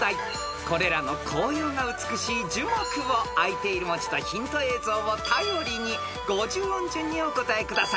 ［これらの紅葉が美しい樹木をあいている文字とヒント映像を頼りに５０音順にお答えください］